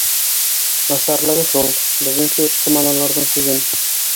— Насарлығы шул: беҙҙең кеүек томаналарҙың күҙен